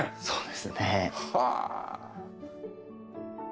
そうですね。はあ。